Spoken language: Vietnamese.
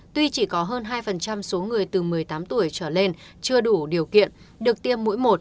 tuy chỉ có hơn hai số người từ một mươi tám tuổi trở lên chưa đủ điều kiện được tiêm mũi một